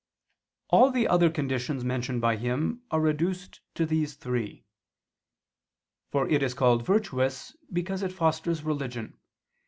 All the other conditions mentioned by him are reduced to these three. For it is called virtuous because it fosters religion.